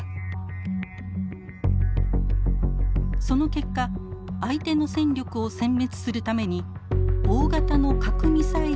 その結果相手の戦力をせん滅するために大型の核ミサイルで攻撃の応酬が始まります。